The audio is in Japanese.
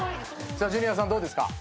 ジュニアさんどうですか？